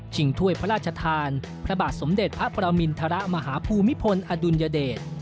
ถ้วยพระราชทานพระบาทสมเด็จพระประมินทรมาฮภูมิพลอดุลยเดช